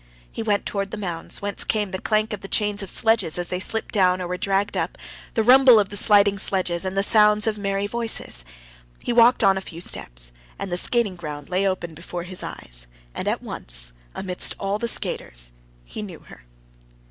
He went towards the mounds, whence came the clank of the chains of sledges as they slipped down or were dragged up, the rumble of the sliding sledges, and the sounds of merry voices. He walked on a few steps, and the skating ground lay open before his eyes, and at once, amidst all the skaters, he knew her.